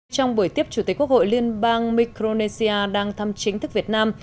trong buổi tiếp chủ tịch quốc hội liên bang micronesia đang thăm chính thức việt nam